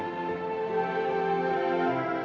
cinta itu kayak gantung banyak